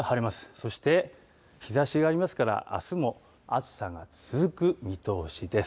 そして、日ざしがありますから、あすも暑さが続く見通しです。